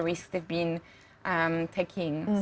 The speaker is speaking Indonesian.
pengalaman yang mereka terima